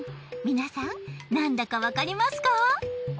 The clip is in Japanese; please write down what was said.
皆さんなんだかわかりますか？